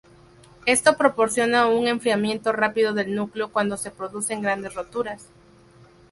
Esto proporciona un enfriamiento rápido del núcleo cuando se producen grandes roturas.